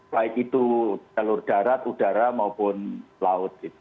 baik itu jalur darat udara maupun laut